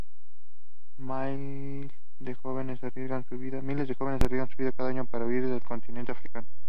Miles de jóvenes arriesgan su vida cada año para huir del continente africano.